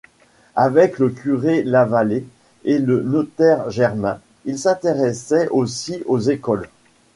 Avec le curé Lavallée et le notaire Germain, il s'intéressait aussi aux écoles.